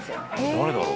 誰だろう？